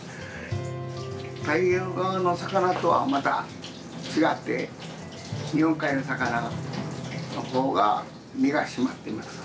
太平洋側の魚とはまた違って日本海の魚の方が身が締まってます。